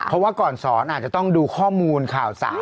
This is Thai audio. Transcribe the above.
เพราะว่าก่อนสอนอาจจะต้องดูข้อมูลข่าวสาร